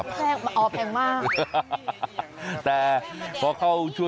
เพราะเลยแพงมากแพงกว่าเนื้อหมูอีกครับ